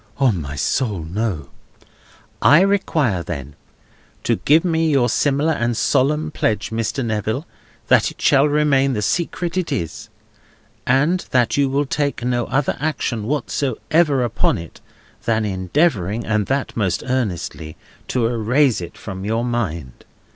"On my soul, no!" "I require you, then, to give me your similar and solemn pledge, Mr. Neville, that it shall remain the secret it is, and that you will take no other action whatsoever upon it than endeavouring (and that most earnestly) to erase it from your mind.